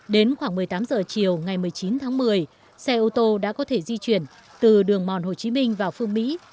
đến khoảng một mươi tám giờ chiều ngày một mươi chín tháng một mươi xe ô tô đã có thể di chuyển từ đường mòn hồ chí minh vào phương mỹ